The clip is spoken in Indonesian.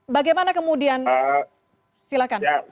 bagaimana kemudian silakan